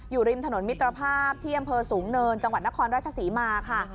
อยู่ริมถนนมิตรภาพที่อำเภอสูงเนินจังหวัดนครราชศรีมาค่ะ